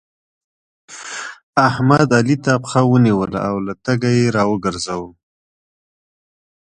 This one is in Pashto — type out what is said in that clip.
احمد؛ علي ته پښه ونيوله او له تګه يې راوګرځاوو.